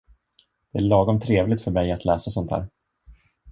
Det är lagom trevligt för mig att läsa sånt här.